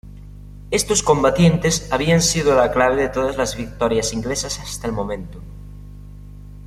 Estos combatientes habían sido la clave de todas las victorias inglesas hasta el momento.